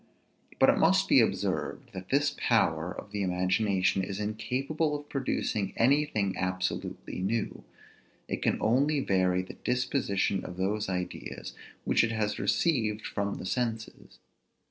But it must be observed, that this power of the imagination is incapable of producing anything absolutely new; it can only vary the disposition of those ideas which it has received from the senses.